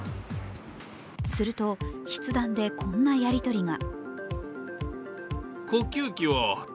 すると、筆談でこんなやりとりが。